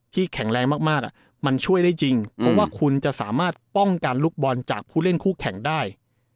แข็งแรงมากมันช่วยได้จริงเพราะว่าคุณจะสามารถป้องกันลูกบอลจากผู้เล่นคู่แข่งได้